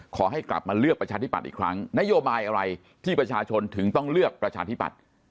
ขอให้กลับมาเลือกประชาธิปัตย์อีกครั้งนโยบายอะไรที่ประชาชนถึงต้องเลือกประชาธิปัตย์